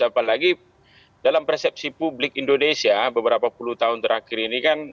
apalagi dalam persepsi publik indonesia beberapa puluh tahun terakhir ini kan